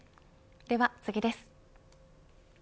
では次です。